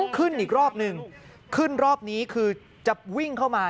อีกรอบนึงขึ้นรอบนี้คือจะวิ่งเข้ามา